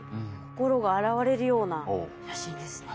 心が洗われるような写真ですね。